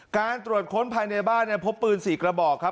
การตรวจค้นภายในบ้านพบปืน๔กระบอกครับ